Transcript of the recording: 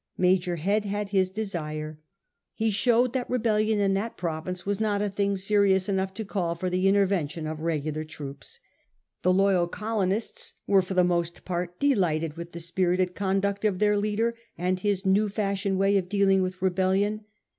Major Head had his desire. He showed that rebellion in that province was not a thing serious enough to call for the inter vention of regular troops. The loyal colonists were for the H^ost part delighted with the spirited con duct of their leader and his new fashioned way of dealing with rebellion.